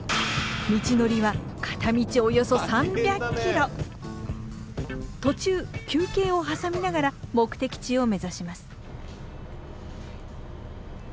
道のりは途中休憩を挟みながら目的地を目指します。